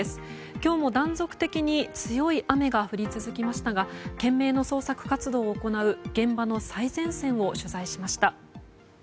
今日も断続的に強い雨が降り続きましたが懸命の捜索活動を行う現場の最前線を取材しました。